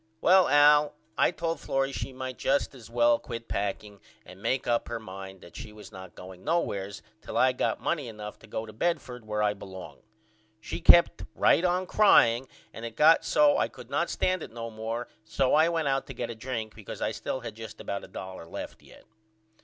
Well Al I told Florrie she might just is well quit packing and make up her mind that she was not going nowheres till I got money enough to go to Bedford where I belong. She kept right on crying and it got so I could not stand it no more so I went out to get a drink because I still had just about a dollar left yet.